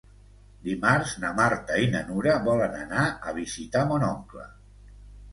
Dimarts na Marta i na Nura volen anar a visitar mon oncle.